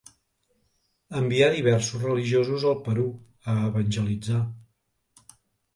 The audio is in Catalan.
Envià diversos religiosos al Perú a evangelitzar.